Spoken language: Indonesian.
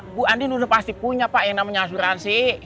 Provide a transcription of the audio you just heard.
ibu andi udah pasti punya pak yang namanya asuransi